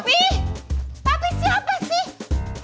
papi papi siapa sih